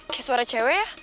kayak suara cewek ya